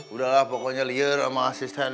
udahlah pokoknya liar sama asisten